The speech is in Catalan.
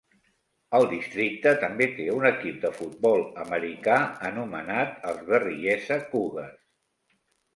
El districte també té un equip de futbol americà anomenat els Berryessa Cougars.